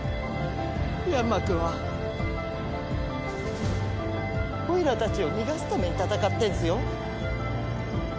ヤンマくんはおいらたちを逃がすために戦ってんすよ？